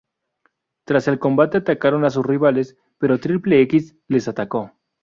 Tras el combate atacaron a sus rivales, pero Triple X les atacó.